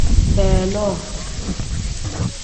Beeloo.